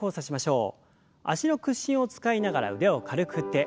脚の屈伸を使いながら腕を軽く振って。